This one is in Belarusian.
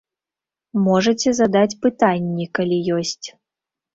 Можаце, задаць пытанні, калі ёсць.